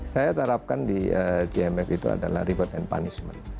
saya tarapkan di jmf itu adalah reward and punishment